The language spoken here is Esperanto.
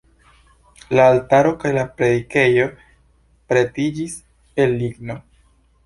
La altaro kaj la predikejo pretiĝis el ligno.